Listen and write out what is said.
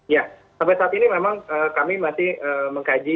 ya sampai saat ini memang kami masih mengkaji